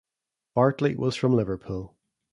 Bartley was from Liverpool.